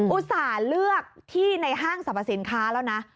อุตส่าห์เลือกที่ในห้างสรรพสินค้าแล้วนะ